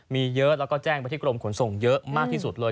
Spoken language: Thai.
มีเยอะแล้วก็แจ้งไปที่กรมขนส่งเยอะมากที่สุดเลย